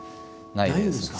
ないんですか。